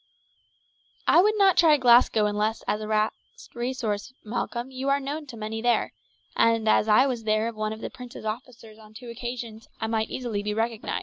"I would not try Glasgow unless as a last resource, Malcolm; you are known to many there, and as I was there as one of the prince's officers on two occasions I might easily be recognized.